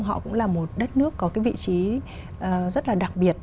họ cũng là một đất nước có cái vị trí rất là đặc biệt